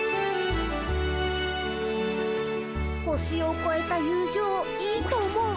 星をこえた友情いいと思う。